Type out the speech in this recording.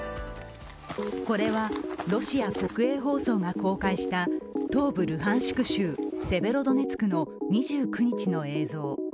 これはロシア国営放送が公開した東部ルハンシク州セベロドネツクの２９日の映像。